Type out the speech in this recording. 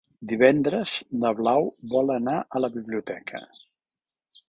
Divendres na Blau vol anar a la biblioteca.